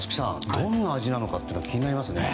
どんな味なのか気になりますね。